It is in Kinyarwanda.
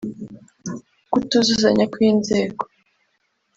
Kutuzuzanya kw’inzego